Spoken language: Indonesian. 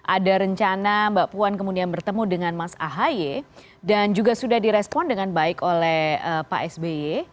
ada rencana mbak puan kemudian bertemu dengan mas ahaye dan juga sudah direspon dengan baik oleh pak sby